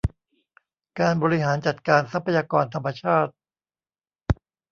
การบริหารจัดการทรัพยากรธรรมชาติ